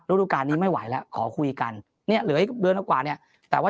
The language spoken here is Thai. รูปการณ์นี้ไม่ไหวแล้วขอคุยกันเนี่ยเหลืออีกเดือนกว่าเนี่ยแต่ว่า